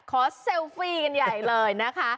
เซลฟี่กันใหญ่เลยนะคะ